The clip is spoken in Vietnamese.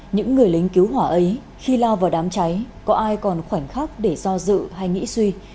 những người lính cứu hỏa ấy khi lao vào đám cháy có ai còn khoảnh khắc để do dự hay nghĩ suy